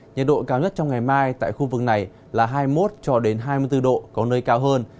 nhiệt độ cao nhất trong ngày mai tại khu vực này là hai mươi một cho đến hai mươi bốn độ có nơi cao hơn